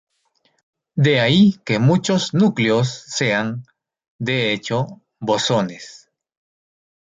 De ahí que muchos núcleos sean, de hecho, bosones.